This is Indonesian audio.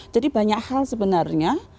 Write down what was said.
jadi banyak hal sebenarnya